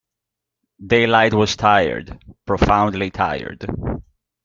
Daylight was tired, profoundly tired.